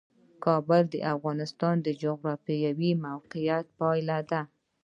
کابل د افغانستان د جغرافیایي موقیعت پایله ده.